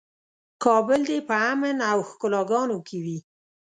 کابل دې په امن او ښکلاګانو کې وي.